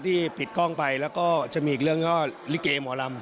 ที่ผิดกล้องไปแล้วก็จะมีอีกเรื่องก็ลิเกหมอลำ